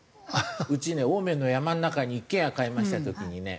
うちね青梅の山の中に一軒家買いました時にね